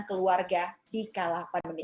keluarga di kalah pandemi